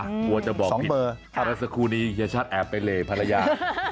กลัวจะบอกอะไรสักครู่นี้เฮียชัดแอบไปเหล่ภรรยา